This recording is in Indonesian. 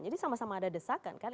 jadi sama sama ada desakan kan